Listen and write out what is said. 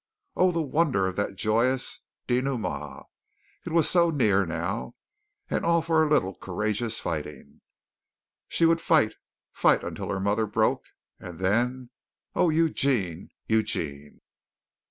Oh, the wonder of that joyous dénouement. It was so near now, and all for a little courageous fighting. She would fight, fight until her mother broke, and then Oh, Eugene, Eugene!